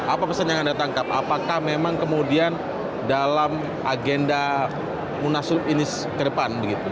apa pesan yang anda tangkap apakah memang kemudian dalam agenda munaslup ini ke depan